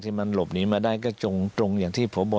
คิดว่าไม่นานคงจับตัวได้แล้วก็จะต้องเค้นไปถามตำรวจที่เกี่ยวข้อง